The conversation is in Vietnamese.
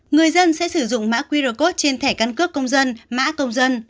người dân sẽ sử dụng mã qr code trên thẻ căn cước công dân mã công dân